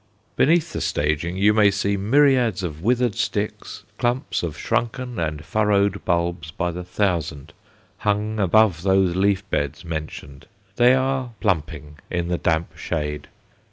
Beneath the staging you may see myriads of withered sticks, clumps of shrunken and furrowed bulbs by the thousand, hung above those leaf beds mentioned; they are "plumping" in the damp shade.